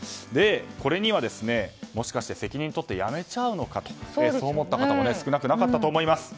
これにはもしかして責任を取って辞めちゃうのかとそう思った方も少なくなかったと思います。